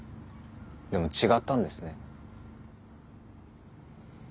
でも違ったんですね。